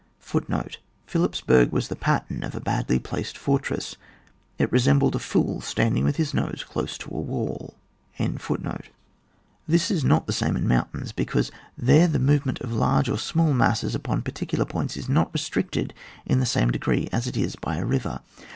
Fhilippsburg was the pattern of a badly placed fortress ; it resembled a fool standing with his nose close to a wall. 108 ON WAR. [book VI. This is not tlie same in mountains, be cause there the movement of large or small masses upon particular points is not restricted in the same degree as it is by a river.